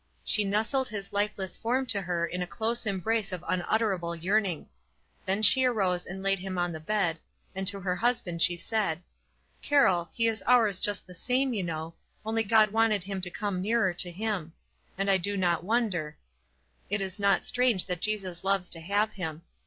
She nestled his lifeless form to her in a close embrace of unutterable yearning; then she arose and laid him on the bed, and to her husband she said, "Carroll, he is ours just the same, you know, only God wanted him to come nearer to him ; and I do not wonder ; it is not strange that Jesus loves to have him.